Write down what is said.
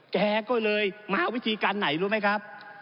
แกก็เลยมาวิธีการไหนรู้ไหมครับ